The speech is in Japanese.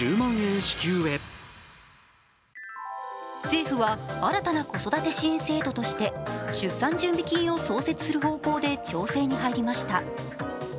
政府は新たな子育て支援制度として出産準備金を創設する方向で調整に入りました。